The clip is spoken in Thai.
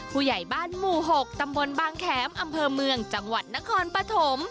ผู้ใหญ่บ้านหมู่๖ตำบลบางแขมอำเภอเมืองจังหวัดนครปฐม